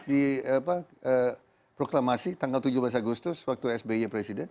di proklamasi tanggal tujuh belas agustus waktu sby presiden